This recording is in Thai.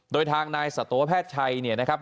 โดยทางนายสัตวแพทย์ชัยเนี่ยนะครับ